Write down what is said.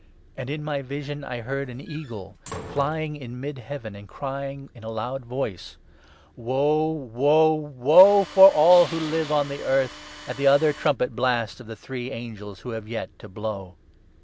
And, in my vision, I heard an eagle flying in mid heaven 13 and crying in a loud voice —' Woe, woe, woe for all who live on the earth, at the other trumpet blasts of the three angels who have yet to blow.'